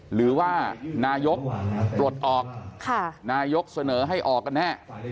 หรือว่านายกปลดออกนายกเสนอให้ออกกันแน่